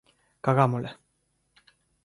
Cagámola.